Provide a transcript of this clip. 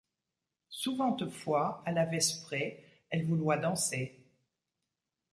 Souventes foys, à la vesprée, elle vouloyt danser.